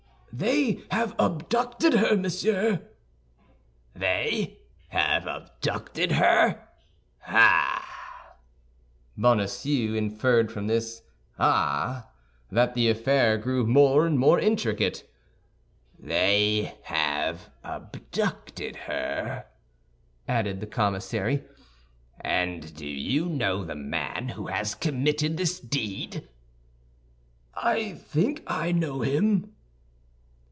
"They have abducted her, monsieur." "They have abducted her? Ah!" Bonacieux inferred from this "Ah" that the affair grew more and more intricate. "They have abducted her," added the commissary; "and do you know the man who has committed this deed?" "I think I know him."